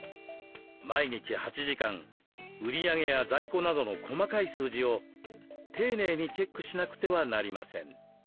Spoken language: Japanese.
毎日８時間売り上げや在庫などの細かい数字を丁寧にチェックしなくてはなりません。